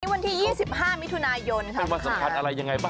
วันที่๒๕มิถุนายนค่ะเป็นวันสำคัญอะไรยังไงบ้าง